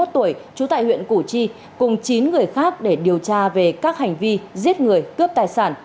ba mươi một tuổi trú tại huyện củ chi cùng chín người khác để điều tra về các hành vi giết người cướp tài sản